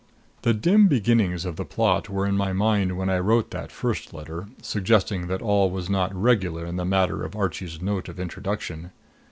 The dim beginnings of the plot were in my mind when I wrote that first letter, suggesting that all was not regular in the matter of Archie's note of introduction.